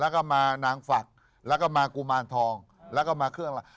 แล้วก็มานางฝักแล้วก็มากุมารทองแล้วก็มาเครื่องอะไร